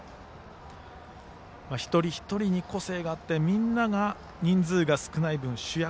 一人一人に個性があってみんなが人数が少ない分、主役。